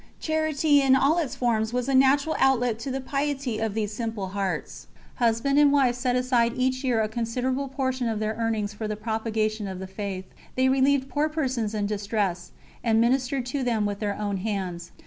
Charity in all its forms was a natural outlet to the piety of these simple hearts. Husband and wife set aside each year a considerable portion of their earnings for the Propagation of the Faith; they relieved poor persons in distress, and ministered to them with their own hands.